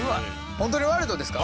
本当にワイルドですか？